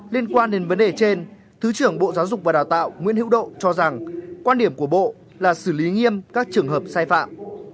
liên quan đến vấn đề trên thứ trưởng bộ giáo dục và đào tạo nguyễn hữu độ cho rằng quan điểm của bộ là xử lý nghiêm các trường hợp sai phạm